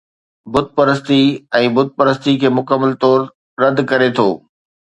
بت پرستي ۽ بت پرستي کي مڪمل طور رد ڪري ٿو